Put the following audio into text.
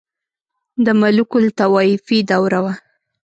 • د ملوکالطوایفي دوره وه.